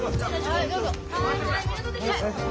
はいどうぞ。